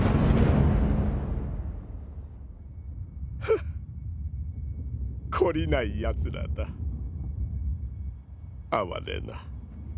フッ懲りないやつらだ哀れな